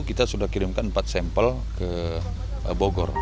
kita sudah kirimkan empat sampel ke bogor